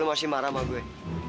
masih marah sama gue